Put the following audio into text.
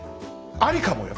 ありかもよ！